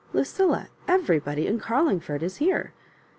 Lucilla, everybody in Carlingford is here.